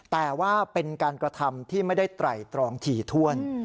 แต่ว่าเป็นการกระทำที่ไม่ได้ไตรตรองถี่ถ้วน